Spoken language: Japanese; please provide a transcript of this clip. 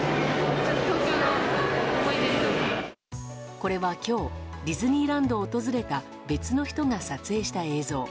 これは今日ディズニーランドを訪れた別の人が撮影した映像。